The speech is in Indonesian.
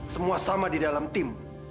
semua sama di dalam tim